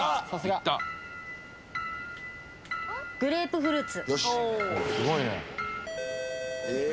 グレープフルーツ。